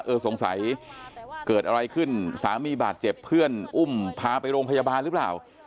สงสัยเกิดอะไรขึ้นสามีบาดเจ็บเพื่อนอุ้มพาไปโรงพยาบาลหรือเปล่า